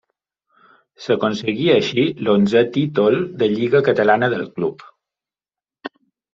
S'aconseguia així l'onzè títol de Lliga Catalana del club.